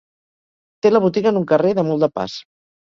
Té la botiga en un carrer de molt de pas.